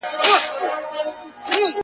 • هر څه بې معنا ښکاري ډېر,